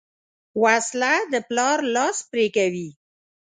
وسله د پلار لاس پرې کوي